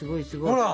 ほら！